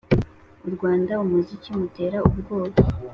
Urwanda umukinzi mutera ubwoba,